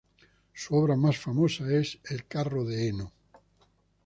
Su obra más famosa es "El carro de heno".